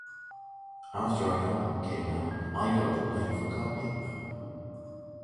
After our album came out, I got the blame for copying them!